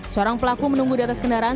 seorang pelaku menunggu di atas kendaraan